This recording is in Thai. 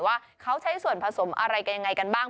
ว่าเขาใช้ผสมอะไรกันบ้าง